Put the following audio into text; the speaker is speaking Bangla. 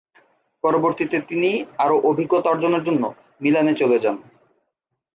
পরবর্তীতে তিনি আরো অভিজ্ঞতা অর্জনের জন্য মিলানে চলে যান।